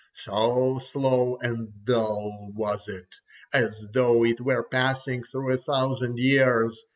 So slow and dull was it, as though it were passing through a thousand years.